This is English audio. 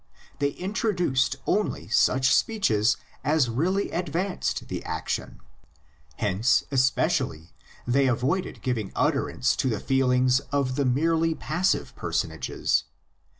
They introduced only such speeches as really advanced the action. Hence especially they avoided giving utterance to the feelings of the merely passive personages.